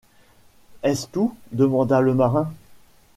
Est-ce tout ? demanda le marin.